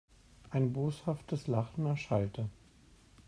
Ein boshaftes Lachen erschallte.